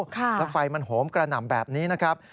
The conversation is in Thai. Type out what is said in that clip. แล้วไฟมันโหมกระหน่ำแบบนี้นะครับ